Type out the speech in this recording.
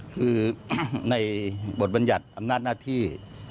คือในบทบัญญัติอำนาจหน้าที่